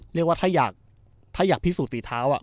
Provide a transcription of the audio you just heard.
เรียกว่าถ้าอยากถ้าอยากพิสูจน์ศรีเท้าอ่ะ